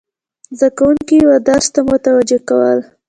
زده کوونکي و درس ته متوجه کول،